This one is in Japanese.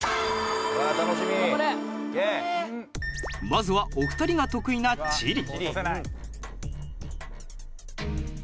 まずはお二人が得意な地理。